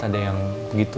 ada yang begitu